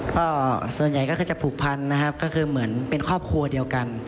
ก็ส่วนใหญ่ก็คือจะผูกพันนะครับก็คือเหมือนเป็นครอบครัวเดียวกัน